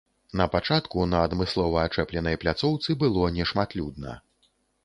На пачатку на адмыслова ачэпленай пляцоўцы было нешматлюдна.